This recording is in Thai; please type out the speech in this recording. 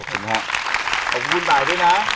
ขอบคุณบ่ายด้วยนะ